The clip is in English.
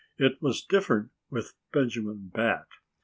It was different with Benjamin Bat.